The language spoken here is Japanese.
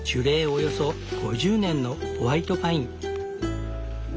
およそ５０年のホワイトパイン。